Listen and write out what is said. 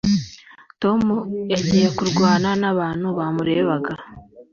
tom yagiye kurwana nabantu bamurebaga